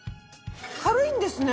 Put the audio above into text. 軽いんですね。